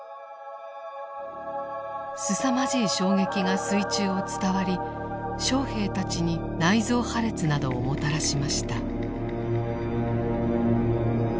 すさまじい衝撃が水中を伝わり将兵たちに内臓破裂などをもたらしました。